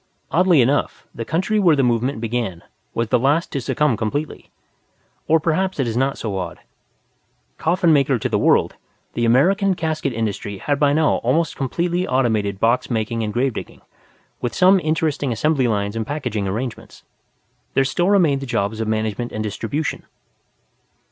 Oddly enough, the country where the movement began was the last to succumb completely. Or perhaps it is not so odd. Coffin maker to the world, the American casket industry had by now almost completely automated box making and gravedigging, with some interesting assembly lines and packaging arrangements; there still remained the jobs of management and distribution.